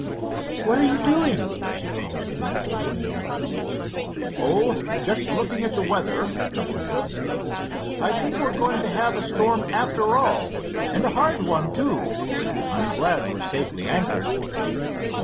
"What are you doing?" she called to him through a window. "Oh, just looking at the weather," he answered. "I think we're going to have a storm after all, and a hard one, too. I'm glad we're safely anchored."